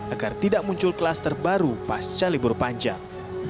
agar tidak muncul kelas terbaru pasca libur panjang